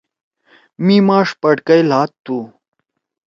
می ماݜ پٹکئی لھاتُّو۔